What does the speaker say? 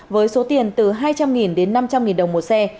với số tiền từ hai trăm linh đến năm trăm linh đồng một xe